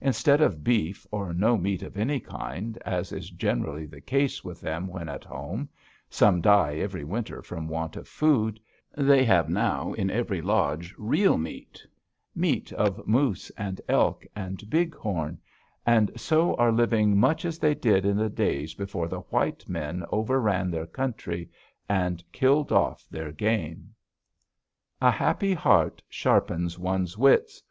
Instead of beef or no meat of any kind, as is generally the case with them when at home, some die every winter from want of food, they have now in every lodge real meat; meat of moose and elk and bighorn, and so are living much as they did in the days before the white men overran their country and killed off their game. [Illustration: SUN WOMAN, DAUGHTER OF TAKES GUN AHEAD AND WIFE OF STABS BY MISTAKE] A happy heart sharpens one's wits.